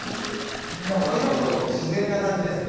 しかも、自然な感じですね。